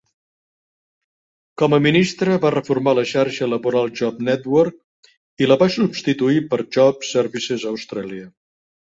Com a ministre va reformar la xarxa laboral Job Network, i la va substituir per Job Services Australia.